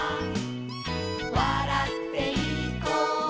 「わらっていこう」